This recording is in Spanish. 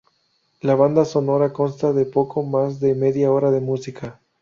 La banda sonora consta de poco más de media hora de música.